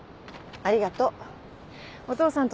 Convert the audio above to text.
ありがとう。